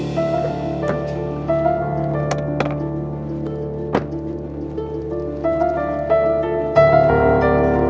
kenapa lu berpikir